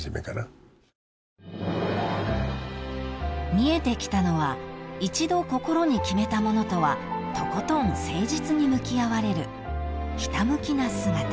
［見えてきたのは一度心に決めたものとはとことん誠実に向き合われるひた向きな姿］